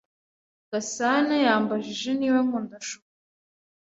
Gasanayambajije niba nkunda shokora.